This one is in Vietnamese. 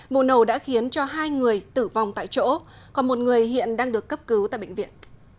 vụ nổ đã khiến cho hai người tử vong tại chỗ còn một người hiện đang được cấp cứu tại bệnh viện